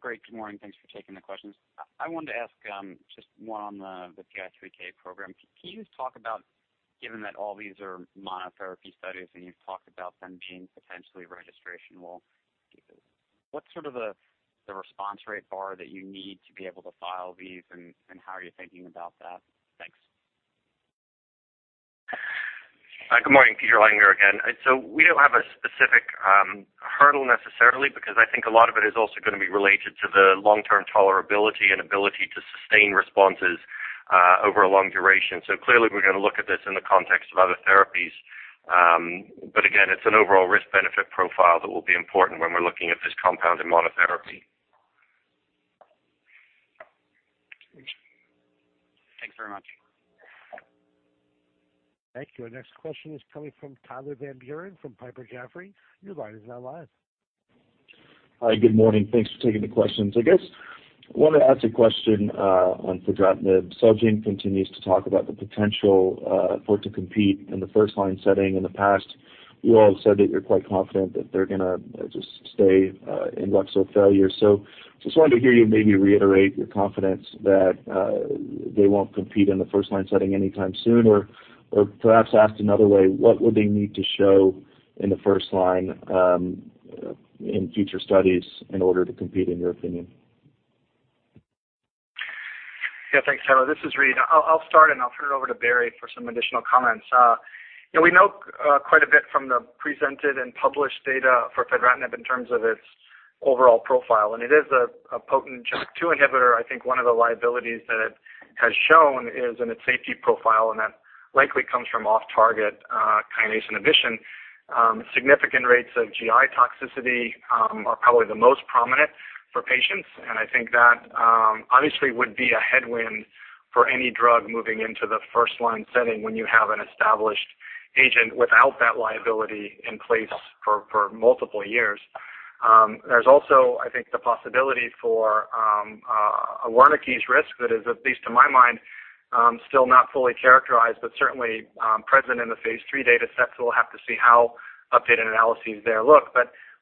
Great. Good morning. Thanks for taking the questions. I wanted to ask just one on the PI3K program. Can you just talk about, given that all these are monotherapy studies, and you've talked about them being potentially registrational, what's sort of the response rate bar that you need to be able to file these, and how are you thinking about that? Thanks. Good morning. Peter Langmuir here again. We don't have a specific hurdle necessarily, because I think a lot of it is also going to be related to the long-term tolerability and ability to sustain responses over a long duration. Clearly we're going to look at this in the context of other therapies. Again, it's an overall risk-benefit profile that will be important when we're looking at this compound in monotherapy. Thanks very much. Thank you. Our next question is coming from Tyler Van Buren from Piper Jaffray. Your line is now live. Hi. Good morning. Thanks for taking the questions. I guess I wanted to ask a question on fedratinib. Celgene continues to talk about the potential for it to compete in the first-line setting. In the past, you all have said that you're quite confident that they're going to just stay in ruxolitinib failure. Just wanted to hear you maybe reiterate your confidence that they won't compete in the first-line setting anytime soon, or perhaps asked another way, what would they need to show in the first line in future studies in order to compete, in your opinion? Yeah. Thanks, Tyler. This is Reid. I'll start, and I'll turn it over to Barry for some additional comments. We know quite a bit from the presented and published data for fedratinib in terms of its overall profile. It is a potent JAK2 inhibitor. I think one of the liabilities that it has shown is in its safety profile, and that likely comes from off-target kinase inhibition. Significant rates of GI toxicity are probably the most prominent for patients, and I think that obviously would be a headwind for any drug moving into the first-line setting when you have an established agent without that liability in place for multiple years. There's also, I think, the possibility for a Wernicke's risk that is, at least in my mind, still not fully characterized, but certainly present in the phase III data sets. We'll have to see how updated analyses there look.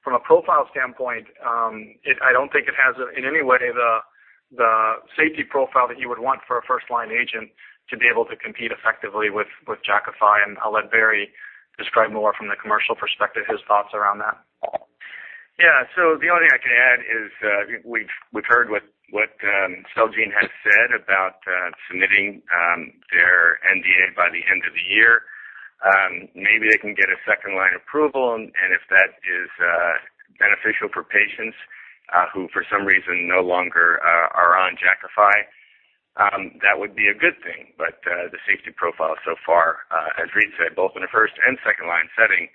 From a profile standpoint, I don't think it has in any way the safety profile that you would want for a first-line agent to be able to compete effectively with Jakafi, and I'll let Barry describe more from the commercial perspective, his thoughts around that. Yeah. The only thing I can add is, we've heard what Celgene has said about submitting their NDA by the end of the year. Maybe they can get a second-line approval, and if that is beneficial for patients who for some reason no longer are on Jakafi, that would be a good thing. The safety profile so far, as Reid said, both in the first and second-line setting,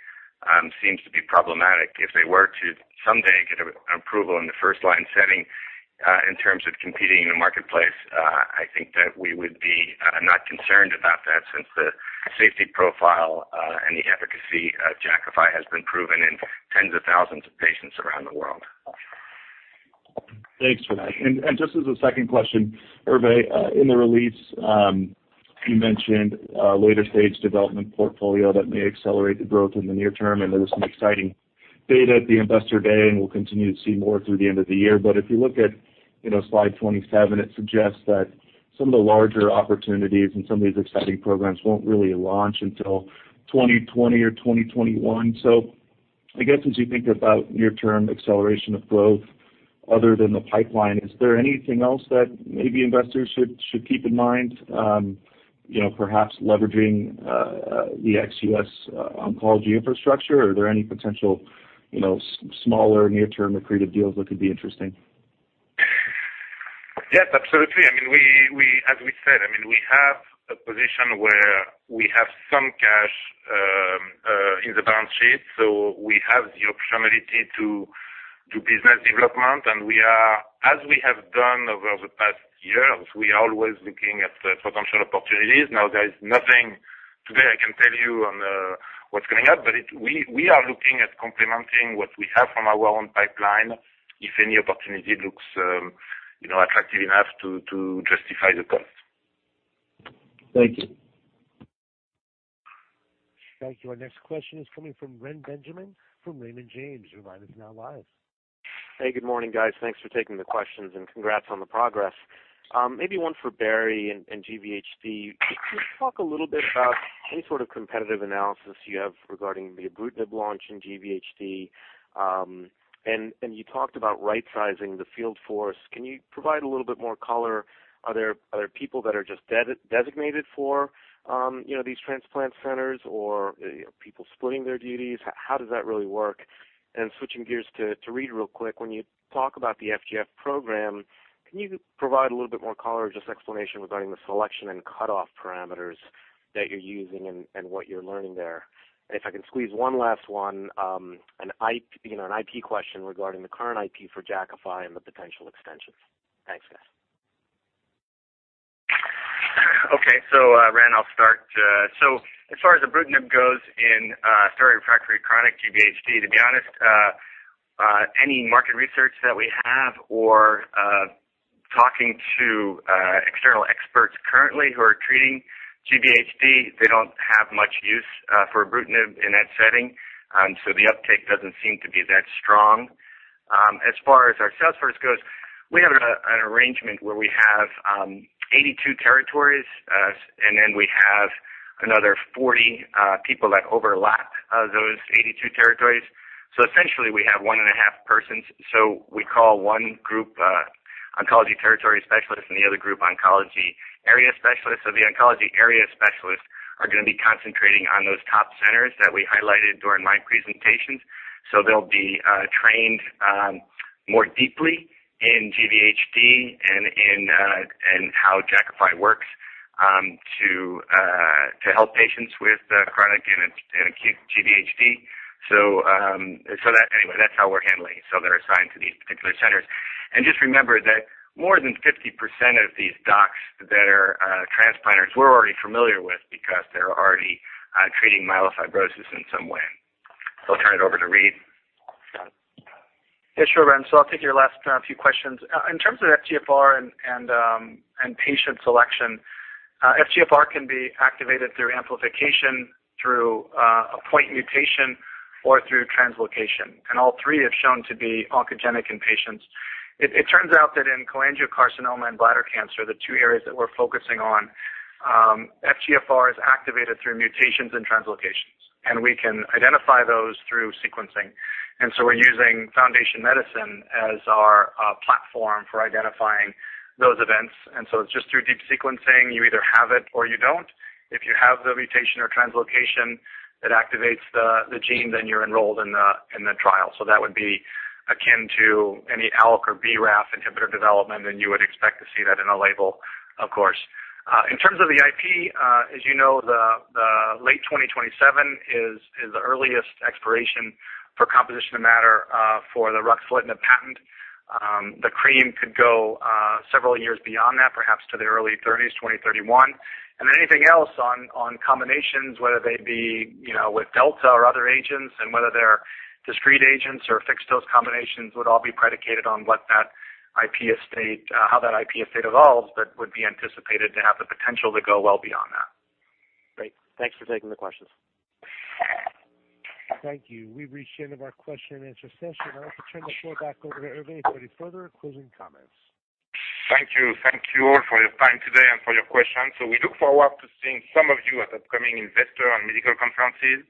seems to be problematic. If they were to someday get an approval in the first-line setting in terms of competing in the marketplace, I think that we would be not concerned about that since the safety profile and the efficacy of Jakafi has been proven in tens of thousands of patients around the world. Thanks for that. Just as a second question, Hervé, in the release, you mentioned a later-stage development portfolio that may accelerate the growth in the near term, and there was some exciting data at the investor day, and we'll continue to see more through the end of the year. If you look at slide 27, it suggests that some of the larger opportunities and some of these exciting programs won't really launch until 2020 or 2021. I guess as you think about near-term acceleration of growth other than the pipeline, is there anything else that maybe investors should keep in mind? Perhaps leveraging the ex-U.S. oncology infrastructure? Are there any potential smaller near-term accretive deals that could be interesting? Yes, absolutely. As we said, we have a position where we have some cash in the balance sheet, so we have the opportunity to do business development. As we have done over the past years, we are always looking at potential opportunities. There is nothing today I can tell you on what's going on, but we are looking at complementing what we have from our own pipeline, if any opportunity looks attractive enough to justify the cost. Thank you. Thank you. Our next question is coming from Reni Benjamin from Raymond James. Your line is now live. Hey. Good morning, guys. Thanks for taking the questions and congrats on the progress. Maybe one for Barry and GVHD. Could you talk a little bit about any sort of competitive analysis you have regarding the ibrutinib launch in GVHD? You talked about right-sizing the field force. Can you provide a little bit more color? Are there people that are just designated for these transplant centers or people splitting their duties? How does that really work? Switching gears to Reid real quick, when you talk about the FGF program, can you provide a little bit more color or just explanation regarding the selection and cutoff parameters that you're using and what you're learning there? If I can squeeze one last one, an IP question regarding the current IP for Jakafi and the potential extensions. Thanks, guys. Okay. Ren, I'll start. As far as ibrutinib goes in steroid-refractory chronic GVHD, to be honest, any market research that we have or talking to external experts currently who are treating GVHD, they don't have much use for ibrutinib in that setting. The uptake doesn't seem to be that strong. As far as our sales force goes, we have an arrangement where we have 82 territories, and then we have another 40 people that overlap those 82 territories. Essentially, we have one and a half persons. We call one group oncology territory specialists and the other group oncology area specialists. The oncology area specialists are going to be concentrating on those top centers that we highlighted during my presentation. They'll be trained more deeply in GVHD and in how Jakafi works to help patients with chronic and acute GVHD. Anyway, that's how we're handling it. They're assigned to these particular centers. Just remember that more than 50% of these docs that are transplanters we're already familiar with because they're already treating myelofibrosis in some way. I'll turn it over to Reid. Yeah, sure, Ren. I'll take your last few questions. In terms of FGFR and patient selection, FGFR can be activated through amplification, through a point mutation, or through translocation, and all three have shown to be oncogenic in patients. It turns out that in cholangiocarcinoma and bladder cancer, the two areas that we're focusing on, FGFR is activated through mutations and translocations, and we can identify those through sequencing. We're using Foundation Medicine as our platform for identifying those events. It's just through deep sequencing. You either have it or you don't. If you have the mutation or translocation that activates the gene, then you're enrolled in the trial. That would be akin to any ALK or BRAF inhibitor development, and you would expect to see that in a label, of course. In terms of the IP, as you know, the late 2027 is the earliest expiration for composition of matter for the ruxolitinib patent. The cream could go several years beyond that, perhaps to the early 2030s, 2031. Anything else on combinations, whether they be with Delta or other agents and whether they're discrete agents or fixed dose combinations, would all be predicated on how that IP estate evolves, but would be anticipated to have the potential to go well beyond that. Great. Thanks for taking the questions. Thank you. We've reached the end of our question and answer session. I'd like to turn the floor back over to Hervé for any further closing comments. Thank you. Thank you all for your time today and for your questions. We look forward to seeing some of you at upcoming investor and medical conferences.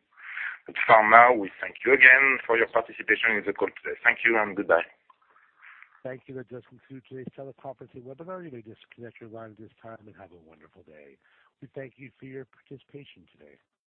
For now, we thank you again for your participation in the call today. Thank you and goodbye. Thank you. That does conclude today's teleconference and webinar. You may disconnect your line at this time and have a wonderful day. We thank you for your participation today.